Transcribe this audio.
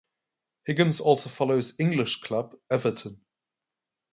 Higgins also follows English club Everton.